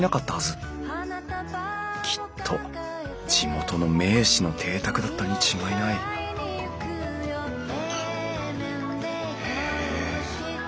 きっと地元の名士の邸宅だったに違いないへえ。